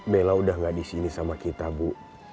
bella udah gak disini sama kita bu